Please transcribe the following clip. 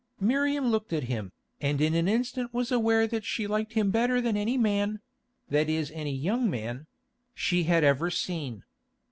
Miriam looked at him, and in an instant was aware that she liked him better than any man—that is any young man—she had ever seen.